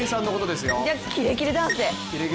じゃあ、キレキレダンスで。